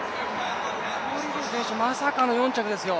コリル選手、まさかの４着ですよ。